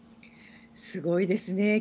すごいですね。